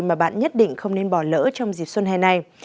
mà bạn nhất định không nên bỏ lỡ trong dịp xuân hè này